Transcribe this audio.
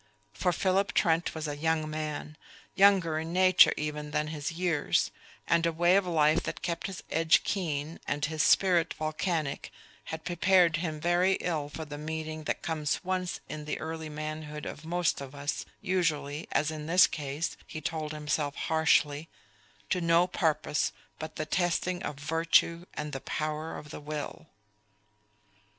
For Philip Trent was a young man, younger in nature even than his years, and a way of life that kept his edge keen and his spirit volcanic had prepared him very ill for the meeting that comes once in the early manhood of most of us, usually as in his case, he told himself harshly to no purpose but the testing of virtue and the power of the will.